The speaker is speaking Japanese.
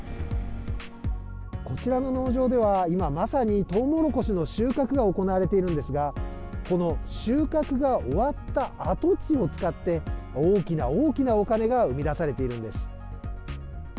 こちらの農場では今まさにトウモロコシの収穫が行われているんですがこの収穫が終わった跡地を使って大きな大きなお金が生み出されているんです。